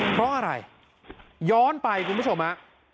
เพราะอะไรย้อนไปคุณผู้ชมฮะ